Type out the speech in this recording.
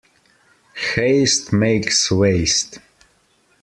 Haste makes waste.